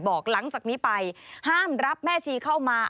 หลังจากนี้ไปห้ามรับแม่ชีเข้ามา